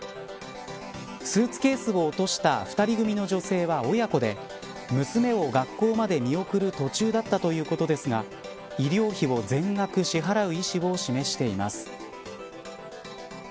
スーツケースを落とした２人組の女性は親子で娘を学校まで見送る途中だったということですが医療費を全額支払う意思を示しています。